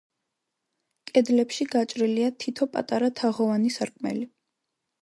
კედლებში გაჭრილია თითო პატარა თაღოვანი სარკმელი.